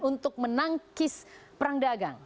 untuk menangkis perang dagang